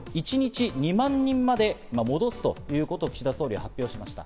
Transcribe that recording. これを一日２万人まで戻すということを岸田総理は発表しました。